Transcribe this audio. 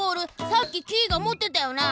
さっきキイがもってたよな？